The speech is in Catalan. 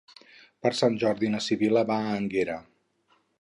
Per Sant Jordi na Sibil·la va a Énguera.